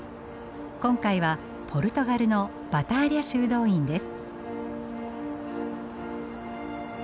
今回はポルトガルのバターリャ修道院です。